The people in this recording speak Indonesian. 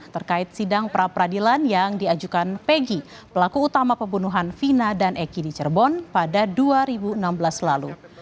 terkait sidang pra peradilan yang diajukan pegi pelaku utama pembunuhan vina dan eki di cirebon pada dua ribu enam belas lalu